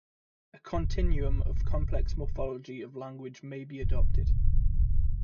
A continuum of complex morphology of language may be adopted.